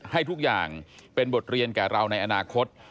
ให้ทุกอย่างเป็นบทเรียนแก่เราในอนาคต